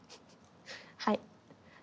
はい。